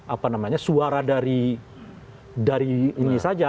apa namanya suara dari ini saja